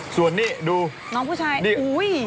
ส่วนนี่ดูน้องผู้ชายโอ้ย